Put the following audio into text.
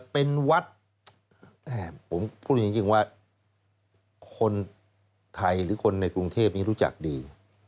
เป็นวัดผมพูดจริงว่าคนไทยหรือคนในกรุงเทพนี้รู้จักดี